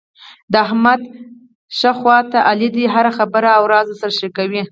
د احمد ښۍ خوټه علي دی، هره خبره او راز ورسره شریکوي.